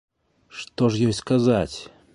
Што ж ёй сказаць?